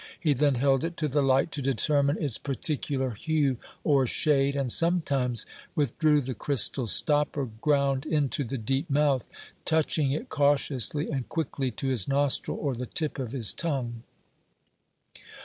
He then held it to the light to determine its particular hue or shade, and sometimes withdrew the crystal stopper ground into the deep mouth, touching it cautiously and quickly to his nostril or the tip of his tongue.